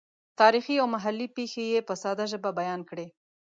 تاریخي او محلي پېښې یې په ساده ژبه بیان کړې.